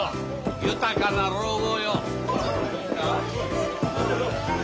豊かな老後よ。